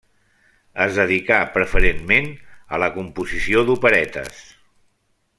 Es dedicà preferentment, a la composició d'operetes.